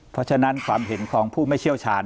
เพราะฉะนั้นความเห็นของผู้ไม่เชี่ยวชาญ